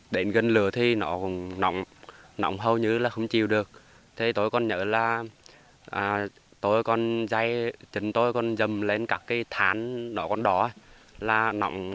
tiến thở trong lửa đỏ cũng thật khó khăn